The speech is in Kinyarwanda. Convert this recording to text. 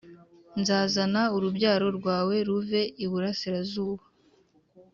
Nzazana urubyaro rwawe ruve iburasirazuba